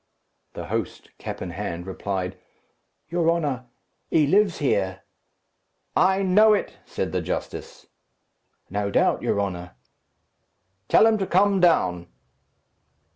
The host, cap in hand, replied, "Your honour; he lives here." "I know it," said the justice. "No doubt, your honour." "Tell him to come down."